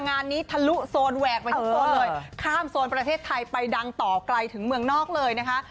งานนี้ทะลุโซนแหวกไปถึงโซนเลยข้ามโซนประเทศไทยไปดังต่อไกลถึงเมืองนอกเลยนะคะ